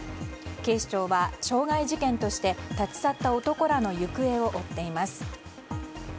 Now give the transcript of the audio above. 警視庁は傷害事件として立ち去った男らの行方を追っています。